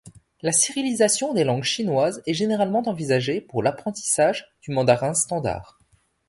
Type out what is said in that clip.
La cyrillisation des langues chinoises est généralement envisagée pour l'apprentissage du mandarin standard.